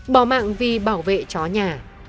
bỏ mạng vì bảo vệ chó nhà